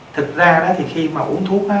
thật ra đó thì khi mà uống thuốc á